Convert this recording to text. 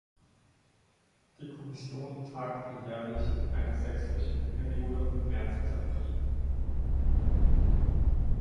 Die Kommission tagte jährlich in einer sechswöchigen Periode von März bis April.